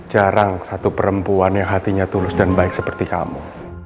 jarang satu perempuan yang hatinya tulus dan baik seperti kamu